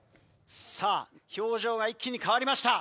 さぁ表情が一気に変わりました。